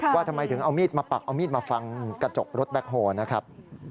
ว่าทำไมถึงเอามีดมาปักเอามีดมาฟันกระจกรถแบ็คโฮนะครับ